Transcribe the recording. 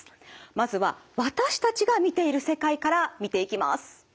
まずは私たちが見ている世界から見ていきます。